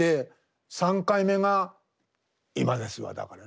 ３回目が今ですわだから。